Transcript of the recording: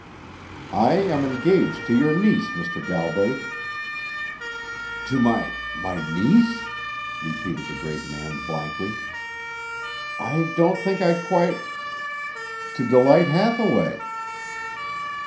"I am engaged to your niece, Mr. Galbraith." "To my my niece!" repeated the great man blankly. "I don't think I quite " "To Delight Hathaway."